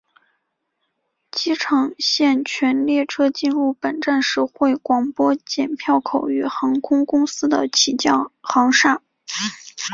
机场线全列车进入本站时会广播剪票口与航空公司的起降航厦。